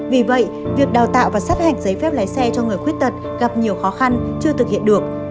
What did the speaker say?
vì vậy việc đào tạo và sát hạch giấy phép lái xe cho người khuyết tật gặp nhiều khó khăn chưa thực hiện được